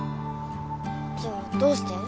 じゃあどうして？